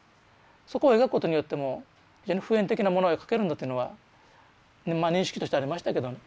そこを描くことによっても普遍的なものが書けるんだというのは認識としてありましたけどね。